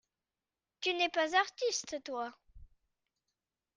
Tu n’es pas artiste, toi…